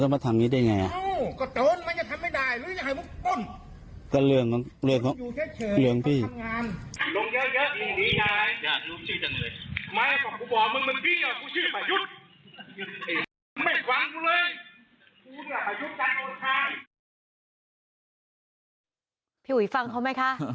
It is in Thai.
พี่อุ๋ยฟังเขาไหมคะ